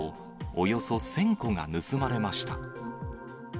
およそ１０００個が盗まれました。